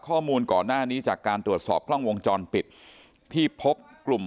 ข้อมูลก่อนหน้านี้จากการตรวจสอบกล้องวงจรปิดที่พบกลุ่ม